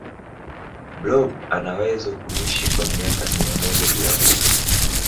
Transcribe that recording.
blob anawezo kuishi kwa miaka mia moja bila kufa